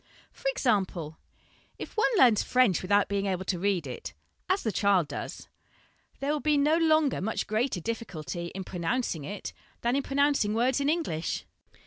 For example: "If one learns French without being able to read it as the child does there will be no longer much greater difficulty in pronouncing it than in pronouncing words in English.